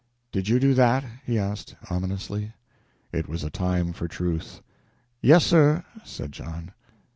"Did you do that?" he asked, ominously. It was a time for truth. "Yes, sir," said John.